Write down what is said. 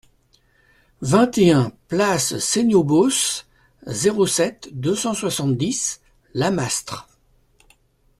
vingt et un place Seignobos, zéro sept, deux cent soixante-dix, Lamastre